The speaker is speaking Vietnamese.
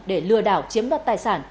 để lừa đảo chiếm đoạt tài sản